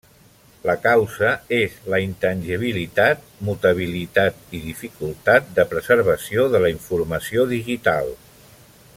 La causa és la intangibilitat, mutabilitat i dificultat de preservació de la informació digital.